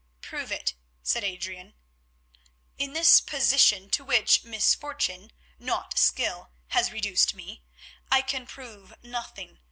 "Prove it," said Adrian. "In this position, to which misfortune, not skill, has reduced me, I can prove nothing.